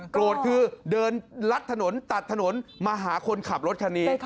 โกรธคือเดินลัดถนนตัดถนนมาหาคนขับรถคันนี้